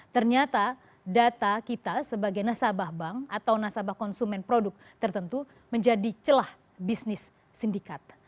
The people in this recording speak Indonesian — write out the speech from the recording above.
ternyata data kita sebagai nasabah bank atau nasabah konsumen produk tertentu menjadi celah bisnis sindikat